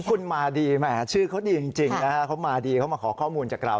คุณมาดีชื่อเขาดีจริงเขามาขอข้อมูลจากเรา